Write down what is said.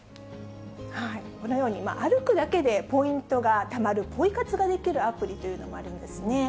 このように、歩くだけでポイントがたまるポイ活ができるアプリというのがあるんですね。